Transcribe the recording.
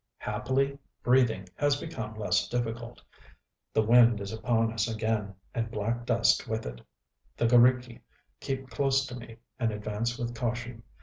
Happily, breathing has become less difficult.... The wind is upon us again, and black dust with it. The g┼Źriki keep close to me, and advance with caution....